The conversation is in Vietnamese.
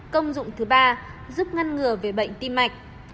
công dụng thứ ba giúp ngăn ngừa về bệnh tim mạch